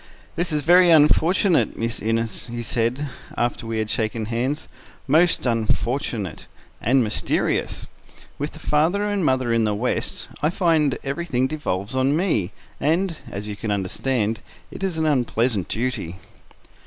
"This is very unfortunate, Miss Innes," he said, after we had shaken hands. "Most unfortunate—and mysterious. With the father and mother in the west, I find everything devolves on me; and, as you can understand, it is an unpleasant duty."